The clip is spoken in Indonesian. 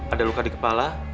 ada luka di kepala